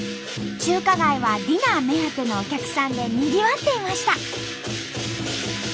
中華街はディナー目当てのお客さんでにぎわっていました。